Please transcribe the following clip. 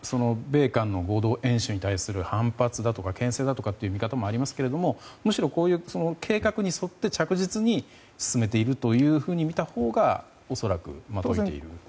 米韓の合同演習に対する反発だとか牽制だとかいう見方もありますがむしろ、こういう計画に沿って着実に進めているというふうにみたほうが恐らくという。